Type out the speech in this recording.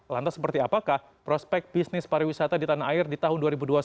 lantas seperti apakah prospek bisnis pariwisata di tanah air di tahun dua ribu dua puluh satu